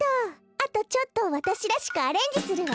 あとちょっとわたしらしくアレンジするわ。